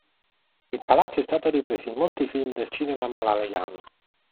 Il palazzo è stato ripreso in molti film del Cinema Malayalam.